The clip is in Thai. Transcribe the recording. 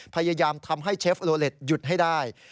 พยายามทำให้เชฟโลเล็ตหยุดให้ได้